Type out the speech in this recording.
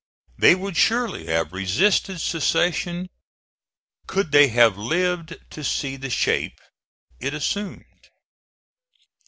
They would surely have resisted secession could they have lived to see the shape it assumed.